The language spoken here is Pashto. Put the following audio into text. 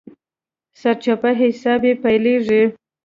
سرچپه حساب يې پيلېږي.